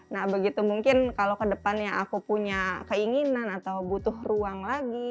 nah begitu mungkin kalau kedepannya aku punya keinginan atau butuh ruang lagi